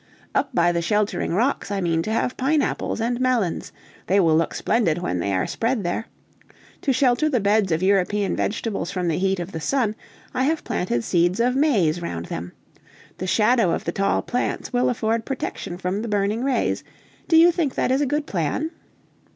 Up by the sheltering rocks I mean to have pine apples and melons; they will look splendid when they are spread there. To shelter the beds of European vegetables from the heat of the sun, I have planted seeds of maize round them. The shadow of the tall plants will afford protection from the burning rays. Do you think that is a good plan?"